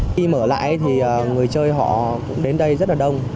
khi mở lại thì người chơi họ cũng đến đây rất là đông